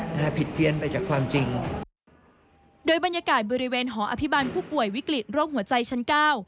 นะฮะผิดเพี้ยนไปจากความจริงโดยบรรยากาศบริเวณหออภิบันผู้ป่วยวิกฤตโรคหัวใจชั้นเก้า